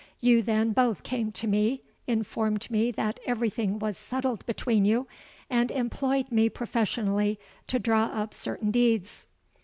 You then both came to me, informed me that every thing was settled between you, and employed me professionally to draw up certain deeds.'